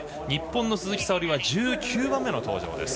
日本の鈴木沙織は１９番目の登場。